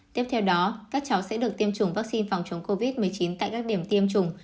tiếp theo đó các cháu sẽ được tiêm chủng vaccine phòng chống covid một mươi chín tại các điểm tiêm chủng